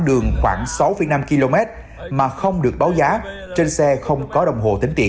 đường khoảng sáu năm km mà không được báo giá trên xe không có đồng hồ tính tiện